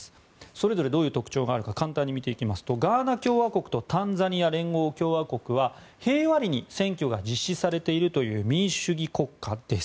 それぞれどういう特徴があるか簡単に見ていきますとガーナ共和国とタンザニア連合共和国は平和裏に選挙が実施されている民主主義国家です。